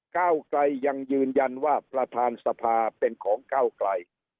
ก้าวไกลยังยืนยันว่าประธานสภาเป็นของก้าวไกล